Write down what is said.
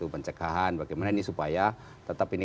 pencegahan bagaimana ini supaya tetap ini